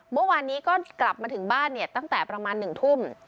เมื่อวานนี้ก็กลับมาถึงบ้านเนี่ยตั้งแต่ประมาณ๑ทุ่ม